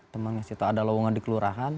temen ngasih tahu ada lowongan di kelurahan